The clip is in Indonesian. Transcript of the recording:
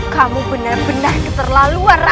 kamu benar benar keterlaluan